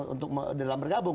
untuk dalam bergabung